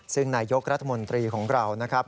ซึ่งนายกรัฐมนตรีของเรานะครับ